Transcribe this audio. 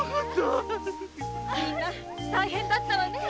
みんな大変だったわね。